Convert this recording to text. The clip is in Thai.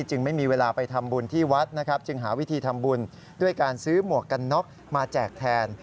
จึงไม่มีเวลาไปทำบุญที่วัดนะครับจึงหาวิธีทำบุญด้วยการซื้อหมวกกันน็อกมาแจกแทน